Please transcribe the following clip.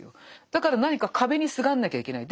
だから何か壁にすがんなきゃいけない。